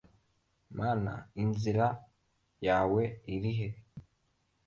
mana, inzira yawe iri ahera